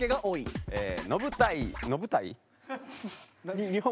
何？